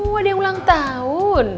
oh ada yang ulang tahun